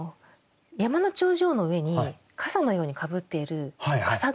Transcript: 山の頂上の上にかさのようにかぶっているかさ